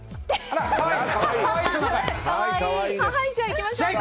可愛い！じゃあ、いきましょうか。